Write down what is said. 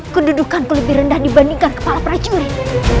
kedudukan ku lebih rendah dibandingkan kepala prajurit